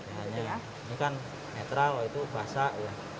ph nya ini kan netral itu basah